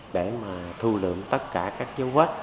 để mà thu lượng tất cả các dấu vết